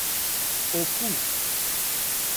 o pu.